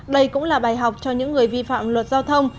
đây cũng là bài học cho những người vi phạm luật giao thông